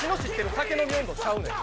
酒飲み音頭ちゃうねん。